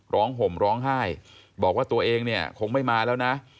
ร้องห่มร้องไห้บอกว่าตัวเองคงไม่มาแล้วนะ